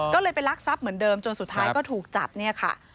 ก็เลยไปรักทรัพย์เหมือนเดิมจนสุดท้ายก็ถูกจับเนี่ยค่ะ